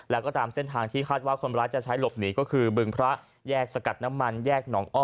แล้วก็ตามเส้นทางที่คาดว่าคนร้ายจะใช้หลบหนีก็คือบึงพระแยกสกัดน้ำมันแยกหนองอ้อ